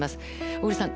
小栗さん